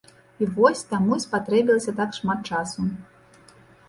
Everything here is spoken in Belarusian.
Вось, таму і спатрэбілася так шмат часу.